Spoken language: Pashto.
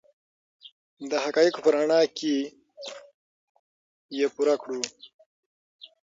د حقایقو په رڼا کې یې پوره کړو.